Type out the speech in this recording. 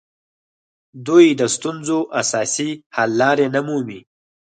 دوی د ستونزو اساسي حل لارې نه مومي